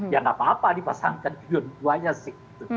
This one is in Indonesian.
ya nggak apa apa dipasangkan dua duanya sih